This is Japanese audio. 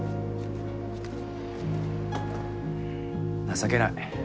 情けない。